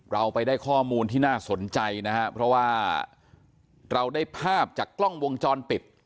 เราไปได้ข้อมูลที่น่าสนใจนะครับเพราะว่าเราได้ภาพจากกล้องวงจรปิด